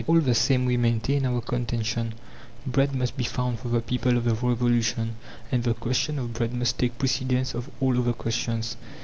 All the same, we maintain our contention: bread must be found for the people of the Revolution, and the question of bread must take precedence of all other questions.